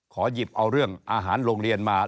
ขอหยิบเอาเรื่องอาหารโรงเรียนมา